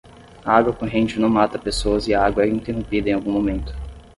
A água corrente não mata pessoas e a água é interrompida em algum momento.